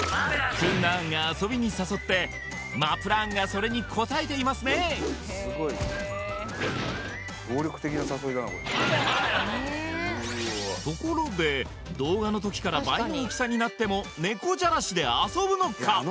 クンナーンが遊びに誘ってマプラーンがそれに応えていますね暴力的な誘いだなこれところで動画の時から倍の大きさになっても猫じゃらしで遊ぶのか？